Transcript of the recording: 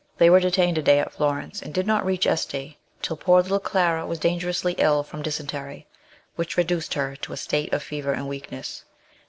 They were detained a day at Florence, and did not reach Este till poor little Clara was dan gerously ill from dysentery, which reduced her to a state of fever and weakness.